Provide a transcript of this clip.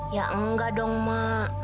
ya enggak dong mak